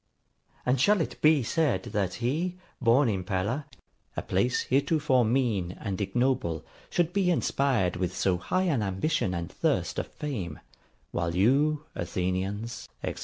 And shall it be said that he, born in Pella, a place heretofore mean and ignoble, should be inspired with so high an ambition and thirst of fame: while you, Athenians, &c.'